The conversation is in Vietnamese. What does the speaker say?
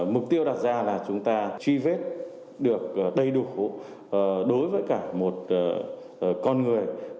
mục tiêu đặt ra là chúng ta truy vết được đầy đủ đối với cả một con người